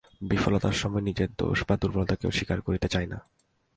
বিফলতার সময় নিজের দোষ বা দুর্বলতা কেহ স্বীকার করিতে চায় না।